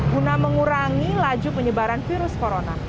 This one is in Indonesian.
guna mengurangi laju penyebaran virus corona